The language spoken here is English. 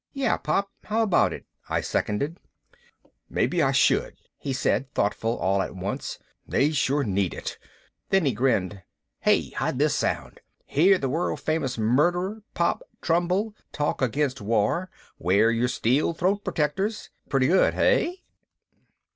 "Yeah, Pop, how about it?" I seconded. "Maybe I should," he said, thoughtful all at once. "They sure need it." Then he grinned. "Hey, how'd this sound: HEAR THE WORLD FAMOUS MURDERER POP TRUMBULL TALK AGAINST WAR. WEAR YOUR STEEL THROAT PROTECTORS. Pretty good, hey?"